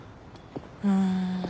うん。